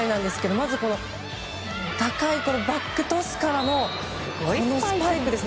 まず高いバックトスからのスパイクですね。